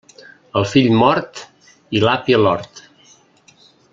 El fill mort i l'api a l'hort.